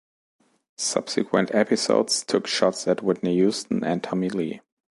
Subsequent episodes took shots at Whitney Houston and Tommy Lee.